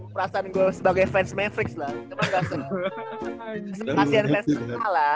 perasaan gua sebagai fans mavericks lah